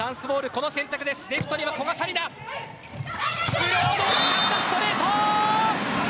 ブロード決まった、ストレート。